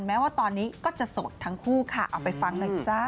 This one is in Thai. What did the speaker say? แม้ว่าตอนนี้ก็จะโสดทั้งคู่ค่ะเอาไปฟังหน่อยจ้า